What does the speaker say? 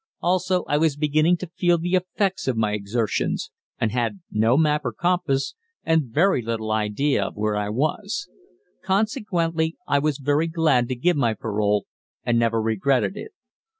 Also, I was beginning to feel the effects of my exertions, and had no map or compass, and very little idea of where I was. Consequently I was very glad to give my parole, and never regretted it.